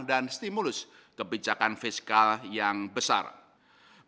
dan stimulus kebijakan fiskal yang terjadi